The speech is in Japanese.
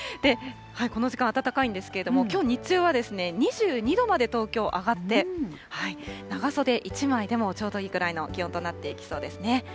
この時間、暖かいんですけれども、きょう日中は、２２度まで東京、上がって、長袖１枚でもちょうどいいくらいの気温となっていきそうですね。